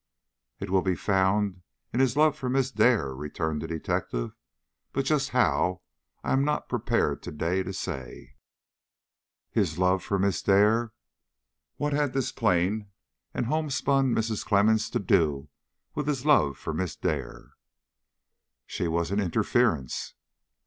"It will be found in his love for Miss Dare," returned the detective; "but just how I am not prepared to day to say." "His love for Miss Dare? What had this plain and homespun Mrs. Clemmens to do with his love for Miss Dare?" "She was an interference."